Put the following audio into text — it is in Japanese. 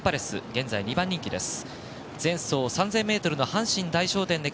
現在２番人気です。